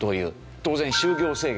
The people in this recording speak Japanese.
当然就業制限。